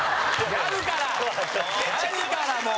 やるから、もう！